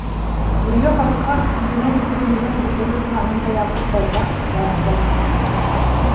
Өйгә ҡайтҡас, үҙенең өлгөлөгөн бөтөрөү тураһында Яҡуп байтаҡ баш ватты.